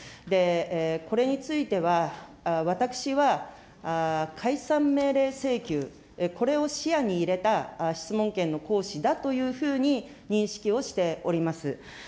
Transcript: これについては、私は解散命令請求、これを視野に入れた質問権の行使だというふうに認識をしております。